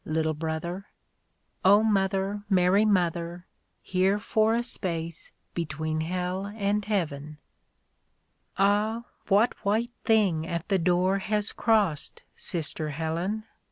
Little brother !" (O Mother, Mary Mother, Here for a space, between Hell and Heaven /) Ah! what white thing at the door has crossed. Sister Helen